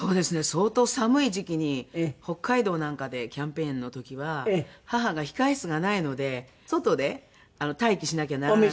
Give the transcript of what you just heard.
相当寒い時期に北海道なんかでキャンペーンの時は母が控室がないので外で待機しなきゃならなくて。